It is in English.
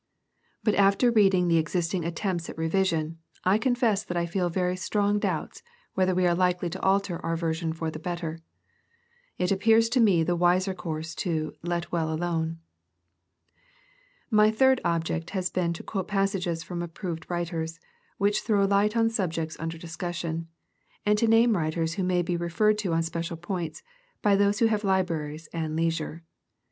But after reading PREFACE. T the existiDg attempts at revision^ I confess that I feel very strong doubts whether we are likely to alter our version for the better. It appears to me the wiser course to " let well alone." 8. My third object has been to quote passages from approved writers, which throw light on subjects under discussion, and to name writers who may be referred to on special points, by those who have libraries and leisure.